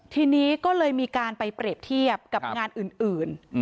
ทีนี้ก็เลยมีการไปเปรียบเทียบกับงานอื่น